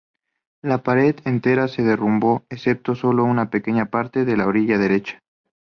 La pared entera se derrumbó, excepto sólo una pequeña parte en la orilla derecha.